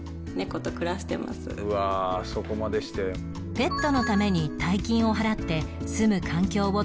ペットのために大金を払ってすむ環境を整えてあげる